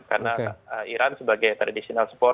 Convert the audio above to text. karena iran sebagai supporter tradisional